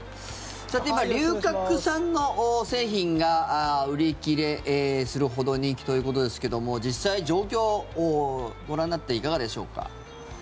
今、龍角散の製品が売り切れするほど人気ということですけども実際、状況ご覧になっていかがでしょうか？